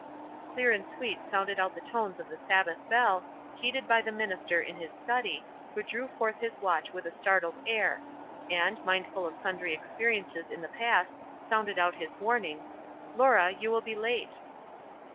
Clear and sweet sounded out the tones of the Sabbath bell, heeded by the minister in his study, who drew forth his watch with a startled air, and, mindful of sundry experiences in the past, sounded out his warning, — "Laura, you will be late."